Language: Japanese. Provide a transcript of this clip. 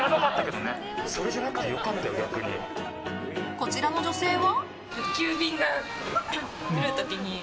こちらの女性は。